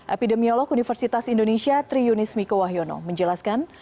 epidemiolog universitas indonesia triunis miko wahyono menjelaskan